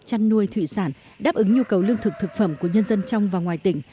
chăn nuôi thủy sản đáp ứng nhu cầu lương thực thực phẩm của nhân dân trong và ngoài tỉnh